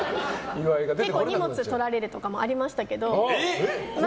結構、荷物とられるとかもありましたけど。